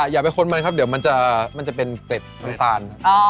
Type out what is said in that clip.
อย่าไปค้นมันครับเดี๋ยวมันจะเป็นเกร็ดน้ำตาลครับ